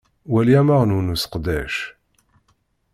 Wali amaɣnu n useqdac:.